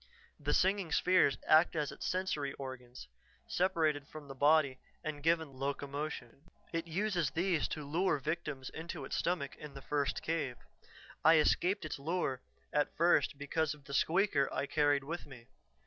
The singing spheres act as its sensory organs, separated from the body and given locomotion. It uses these to lure victims into its stomach in the first cave. I escaped its lure at first because of the 'squeaker' I carried with me.